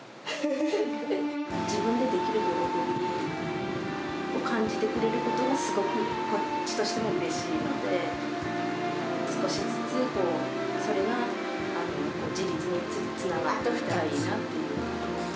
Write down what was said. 自分でできる喜びを感じてくれることがすごく、こっちとしてもうれしいので、少しずつ、それが自立につながっていったらいいなっていう。